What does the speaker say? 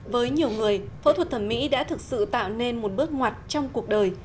với nhiều người phẫu thuật thẩm mỹ đã thực sự tạo nên một bước ngoặt trong cuộc đời